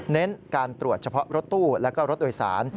เน้นการตรวจเฉพาะรถตู้แล้วก็รถโดยสาร